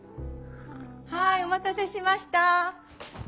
はいお待たせしました。